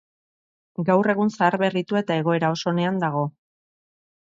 Gaur egun zaharberritua eta egoera oso onean dago.